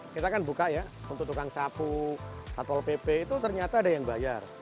kita kan buka ya untuk tukang sapu satpol pp itu ternyata ada yang bayar